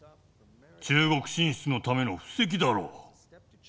中国進出のための布石だろう。